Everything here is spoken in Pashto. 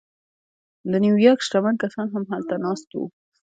د نیویارک شتمن کسان هم هلته ناست وو